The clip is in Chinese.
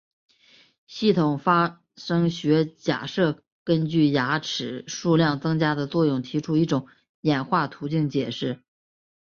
系统发生学假设根据牙齿数量增加的作用提出一种演化途径解释。